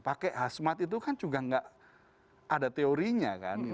pakai khasmat itu kan juga nggak ada teorinya kan